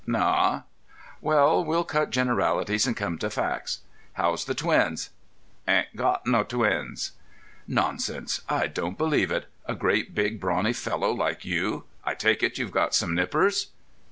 "Noa." "Well, we'll cut generalities and come to facts. How's the twins?" "Ain't got no twins." "Nonsense! I don't believe it. A great, big, brawny fellow like you. I take it you've got some nippers?"